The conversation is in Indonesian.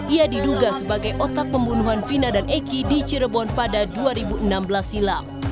ia diduga sebagai otak pembunuhan vina dan eki di cirebon pada dua ribu enam belas silam